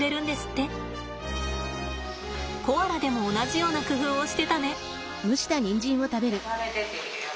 コアラでも同じような工夫をしてたね。